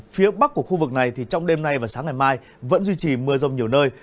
phía bắc của khu vực này thì trong đêm nay và sáng ngày mai vẫn duy trì mưa rông nhiều nơi